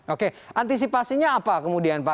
oke antisipasinya apa kemudian pak